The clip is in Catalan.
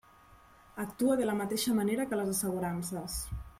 Actua de la mateixa manera que les assegurances.